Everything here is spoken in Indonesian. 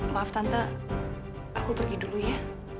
maaf tante aku pergi dulu ya